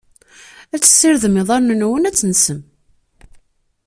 Ad tessirdem iḍarren-nwen, ad tensem.